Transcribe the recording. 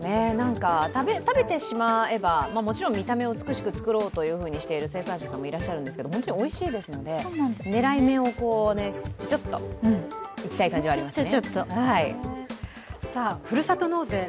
食べてしまえばもちろん美しいものを作ろうとしている生産者さんですが本当においしいですので、狙い目をちょちょっといきたい感じはありますね。